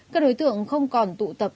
các đối tượng không còn tụ tập